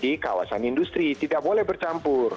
di kawasan industri tidak boleh bercampur